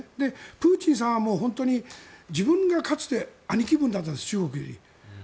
プーチンさんは本当に自分がかつて兄貴分だったんです中国に対して。